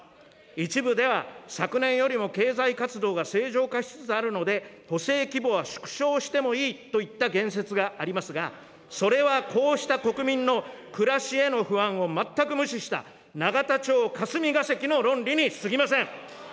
一部では、昨年よりも経済活動が正常化しつつあるので、補正規模は縮小してもいいといった言説がありますが、それはこうした国民の暮らしへの不安を全く無視した永田町・霞が関の論理にすぎません。